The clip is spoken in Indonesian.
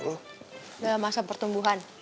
udah masa pertumbuhan